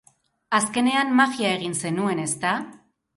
Azkenean magia egin zenuen, ezta?